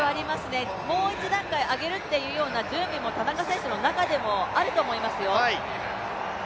もう一段階上げるというような準備も、田中選手の中であると思いますよ。